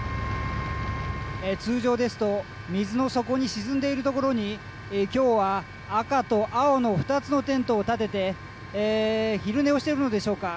通常ですと水の底に沈んでいるところに今日は赤と青の２つのテントを立てて昼寝をしているのでしょうか。